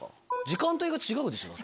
時間帯が違うでしょ。